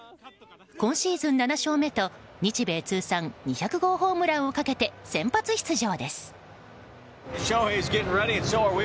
今シーズン７勝目と、日米通算２００号ホームランをかけて先発出場です。